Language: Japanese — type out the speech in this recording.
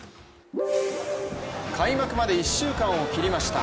開幕まで１週間を切りました。